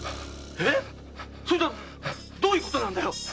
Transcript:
えじゃどういうことなんだよ！